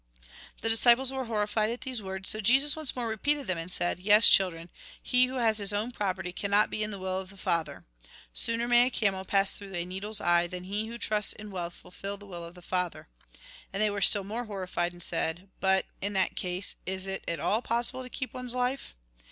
The disciples were horrified at these words, so Jesus once more repeated them, and said :" Yes, children, he who has his own property, cannot be in the will of the Father. Sooner may a camel pass through a needle's eye than he who trusts in wealth fulfil the will of the Father." And they were still more horrified, and said :" "But, in that case, is it at all possible to keep one's life